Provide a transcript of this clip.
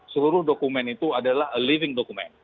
seluruh dokumen itu adalah living document